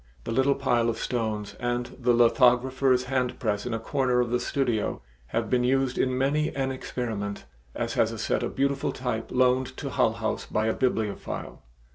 The little pile of stones and the lithographer's handpress in a corner of the studio have been used in many an experiment, as has a set of beautiful type loaned to Hull House by a bibliophile.